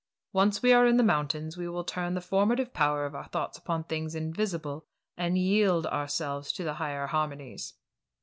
Once we are in the mountains we will turn the formative power of our thoughts upon things invisible, and yield ourselves to the higher harmonies."